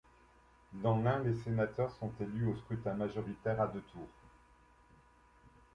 Dans l'Ain, les sénateurs sont élus au scrutin majoritaire à deux tours.